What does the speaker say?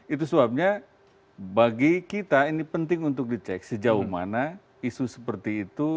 itu sebabnya bagi kita ini penting untuk dicek sejauh mana isu seperti itu